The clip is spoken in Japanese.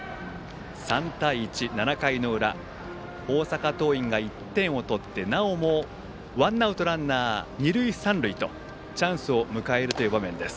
３対１、７回の裏大阪桐蔭が１点を取ってなおもワンアウトランナー、二塁三塁とチャンスを迎える場面です。